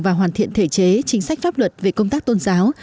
và hoàn thiện thể chế chính sách pháp luật về công tác tôn giáo